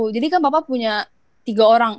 jadi kan papa punya tiga orang